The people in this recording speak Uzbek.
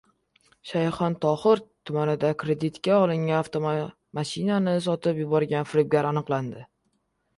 Shayxontohur tumanida kreditga olingan avtomashinani sotib yuborgan firibgar aniqlandi